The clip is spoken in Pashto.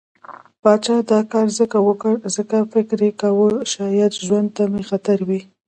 پاچا دا کار ځکه وکړ، ځکه فکر يې کوه شايد ژوند ته مې خطر وي.